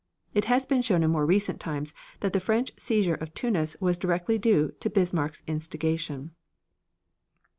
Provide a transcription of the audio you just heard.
It has been shown in more recent times that the French seizure of Tunis was directly due to Bismarck's instigation.